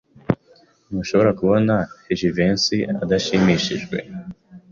Ntushobora kubona Jivency adashimishijwe?